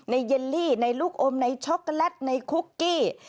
เยลลี่ในลูกอมในช็อกโกแลตในคุกกี้